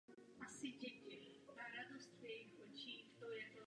Spekuluje se tedy o možném využití elektrárny pro tento účel.